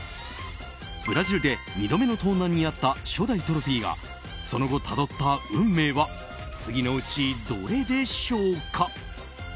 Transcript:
ブラジルで２度目の盗難に遭った初代トロフィーがその後、たどった運命は次のうちどれでしょうか。